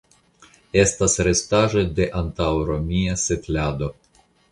Estas restaĵoj de antaŭromia setlado.